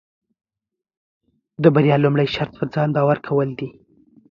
د بریا لومړی شرط پۀ ځان باور کول دي.